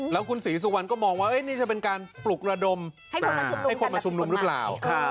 แล้วคุณศรีสุวรรณก็มองว่านี่จะเป็นการปลุกระดมให้คนมาชุมนุมหรือเปล่า